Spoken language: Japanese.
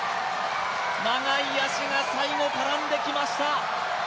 長い足が最後、絡んできました。